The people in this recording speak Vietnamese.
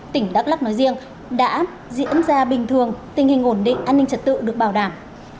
tỉnh đắk lắc nói riêng đã diễn ra bình thường tình hình ổn định an ninh trật tự được bảo đảm